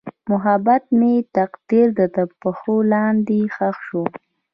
محبت مې د تقدیر تر پښو لاندې ښخ شو.